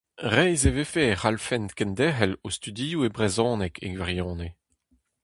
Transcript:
Reizh e vefe e c'hallfent kenderc'hel o studioù e brezhoneg e gwirionez.